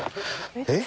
えっ？